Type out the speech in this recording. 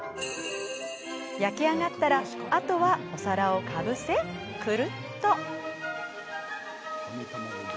焼き上がったらあとはお皿をかぶせくるっと。